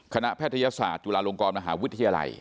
แพทยศาสตร์จุฬาลงกรมหาวิทยาลัย